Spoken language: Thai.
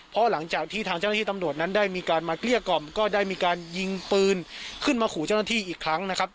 เพราะหลังจากที่ทางเจ้าหน้าที่ตำรวจนั้นได้มีการมาเกลี้ยกล่อมก็ได้มีการยิงปืนขึ้นมาขู่เจ้าหน้าที่อีกครั้งนะครับ